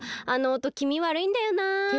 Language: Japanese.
あのおときみわるいんだよなあ。